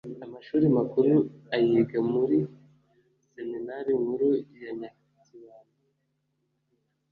Amashuri makuru ayiga muiri Seminari Nkuru ya Nyakibanda